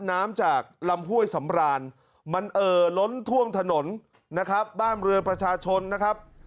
น้ำจากลำห้วยสำรานมันเอ่อล้นท่วมถนนนะครับบ้านเรือประชาชนนะครับ